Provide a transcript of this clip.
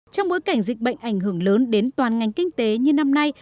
trong bối cảnh dịch bệnh ảnh hưởng lớn đến toàn ngành kinh tế như năm nay